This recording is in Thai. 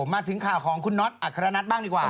มาถึงข่าวของคุณน็อตอัครนัทบ้างดีกว่า